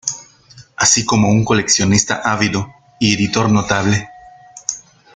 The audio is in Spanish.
Así como un coleccionista ávido y editor notable.